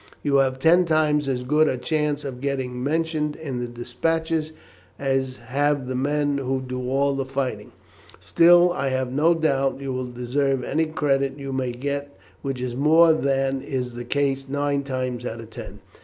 You have ten times as good a chance of getting mentioned in the despatches, as have the men who do all the fighting. Still, I have no doubt you will deserve any credit you may get, which is more than is the case nine times out of ten."